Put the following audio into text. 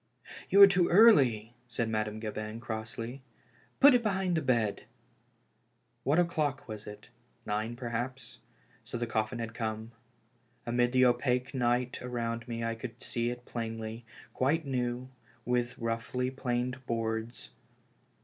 You are too early," said Madame Gabin, crossly. " Put it behind the bed." AVhat o'clock was it ? Nine, perhaps. So the coffiYi had come. Amid the opaque night around me I could see it plainly, quite new, with roughly planed boards.